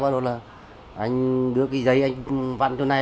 rồi anh đưa cái giấy anh vặn cho này